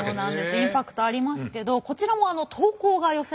インパクトありますけどこちらも投稿が寄せられていまして。